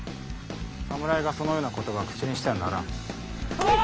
侍がそのような言葉口にしてはならぬ。